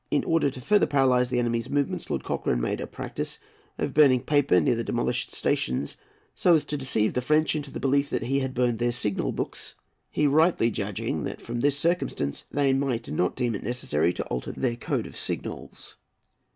In order further to paralyse the enemy's movements, Lord Cochrane made a practice of burning paper near the demolished stations, so as to deceive the French into the belief that he had burned their signal books; he rightly judging that from this circumstance they might not deem it necessary to alter their code of signals.